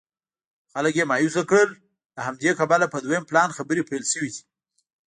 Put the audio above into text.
خلک یې مایوسه کړل له همدې کبله په دویم پلان خبرې پیل شوې دي.